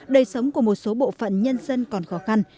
đời sống của một số bộ phận nhân dân còn khó khăn